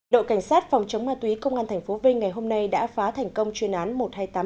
đội cảnh sát phòng chống ma túy công an tp vinh ngày hôm nay đã phá thành công chuyên án một trăm hai mươi tám